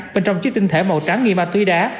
bên trong chiếc tinh thể màu trắng nghiêng ma túy đá